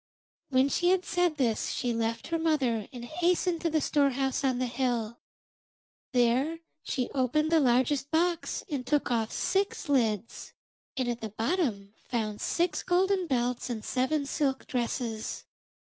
When she had said this she left her mother and hastened to the storehouse on the hill. There she opened the largest box and took off six lids, and at the bottom found six golden belts and seven silk dresses.